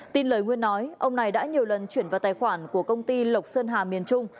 tin lời nguyên nói ông này đã nhiều lần chuyển vào tài khoản của công ty lộc sơn hà miền trung